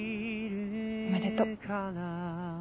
おめでとう。